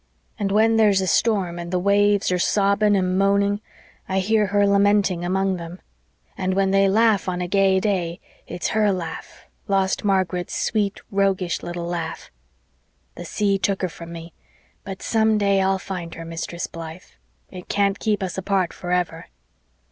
And when there's a storm and the waves are sobbing and moaning I hear her lamenting among them. And when they laugh on a gay day it's HER laugh lost Margaret's sweet, roguish, little laugh. The sea took her from me, but some day I'll find her. Mistress Blythe. It can't keep us apart forever."